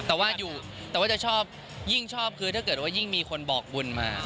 แต่ว่าอยู่แต่ว่าจะชอบยิ่งชอบคือถ้าเกิดว่ายิ่งมีคนบอกบุญมา